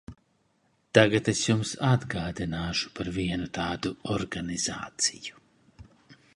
Tagad es jums atgādināšu par vienu tādu organizāciju.